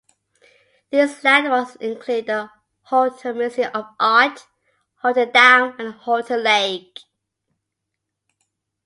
These landmarks include The Holter Museum of Art, Holter Dam, and Holter Lake.